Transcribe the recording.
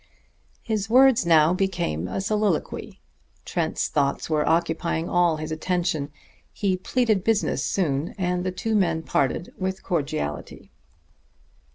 His words now became a soliloquy: Trent's thoughts were occupying all his attention. He pleaded business soon, and the two men parted with cordiality.